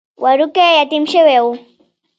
وړوکی يتيم شوی و.